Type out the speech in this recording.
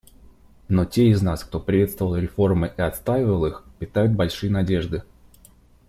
Но те из нас, кто приветствовал реформы и отстаивал их, питают большие надежды.